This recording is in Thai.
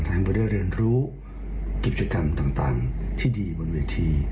ที่ทำให้เบิร์ดเรียร์รู้กิจกรรมต่างที่ดีบนเวที